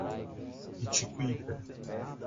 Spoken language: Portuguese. Itiquira